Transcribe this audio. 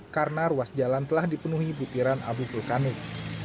karena ruas jalan telah dipenuhi putiran abu vulkanik